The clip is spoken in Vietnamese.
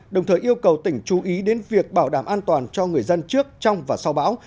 đồng thời yêu cầu tỉnh chú ý đến việc bảo đảm an toàn cho người dân trước trong và sau bão